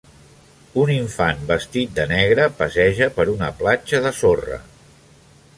Un infant vestit de negre passeja per una platja de sorra.